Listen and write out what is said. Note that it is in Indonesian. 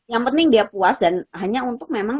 yang penting dia puas dan hanya untuk memang